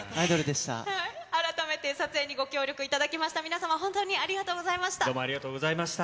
改めて撮影にご協力いただきました皆様、本当にありがとうございました。